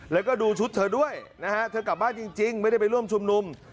แล้วก็ดูชุดเธอด้วยนะฮะเธอกลับบ้านจริงไม่ได้ไปร่วมชุมนุม